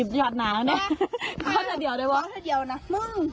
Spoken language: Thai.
บ่อยอยากเขาตีมึง